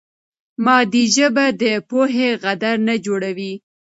مادي ژبه د پوهې غدر نه جوړوي.